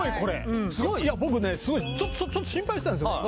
いや僕ねすごいちょっと心配してたんですよ